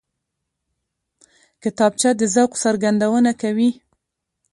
کتابچه د ذوق څرګندونه کوي